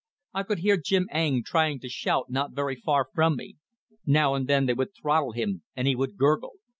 I could hear Jim Eng trying to shout not very far from me. Now and then they would throttle him and he would gurgle.